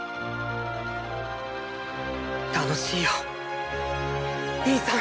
楽しいよ兄さん！